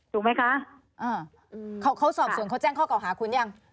ถูกไหมคะเขาสอบสวนเขาแจ้งข้อเก่าหาคุณยัง